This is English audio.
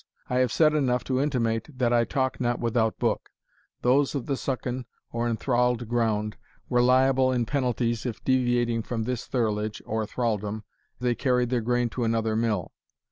I have said enough to intimate that I talk not without book. Those of the Sucken, or enthralled ground, were liable in penalties, if, deviating from this thirlage, (or thraldom,) they carried their grain to another mill.